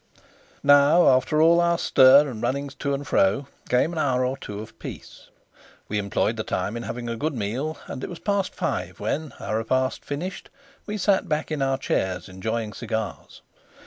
Now, after all our stir and runnings to and fro, came an hour or two of peace. We employed the time in having a good meal, and it was past five when, our repast finished, we sat back in our chairs enjoying cigars.